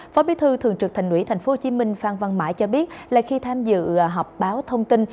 phó bí thư thường trực thành ủy tp hcm phan văn mãi cho biết là khi tham dự họp báo thông tin